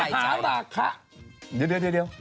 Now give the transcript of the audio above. เดี๋ยวเดี๋ยวเดี๋ยวเดี๋ยวเดี๋ยว